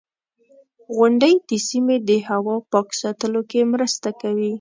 • غونډۍ د سیمې د هوا پاک ساتلو کې مرسته کوي.